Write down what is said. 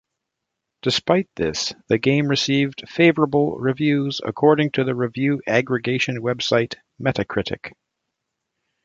Despite this, the game received "favorable" reviews according to the review aggregation website Metacritic.